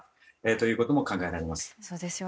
そういうことも考えられます。